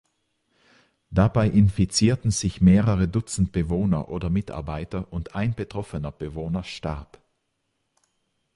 Dabei infizierten sich mehrere Dutzend Bewohner oder Mitarbeiter und ein betroffener Bewohner starb.